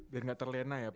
biar gak terlena ya pak ya